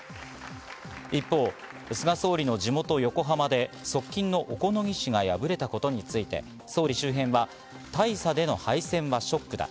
一方、菅総理の地元・横浜で側近の小此木氏が敗れたことについて、総理周辺は大差での敗戦はショックだ。